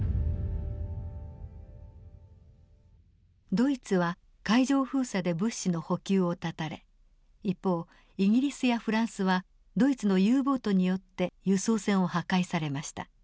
ドイツは海上封鎖で物資の補給を断たれ一方イギリスやフランスはドイツのＵボートによって輸送船を破壊されました。